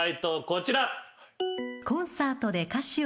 こちら。